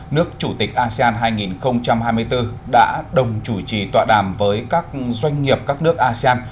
nước chủ tịch asean hai nghìn hai mươi bốn đã đồng chủ trì tọa đàm với các doanh nghiệp các nước asean